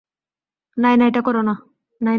নায়না, এটা করো না।